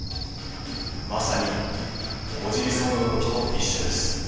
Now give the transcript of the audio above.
まさにオジギソウの動きと一緒です。